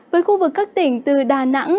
với khu vực các tỉnh từ đà nẵng